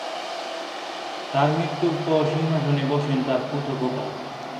তাঁর মৃত্যুর পর সিংহাসনে বসেন তাঁর পুত্র গোপাল।